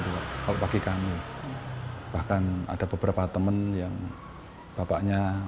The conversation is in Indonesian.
kalau bagi kami bahkan ada beberapa teman yang bapaknya